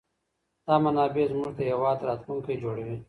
دا منابع زموږ د هېواد راتلونکی جوړوي.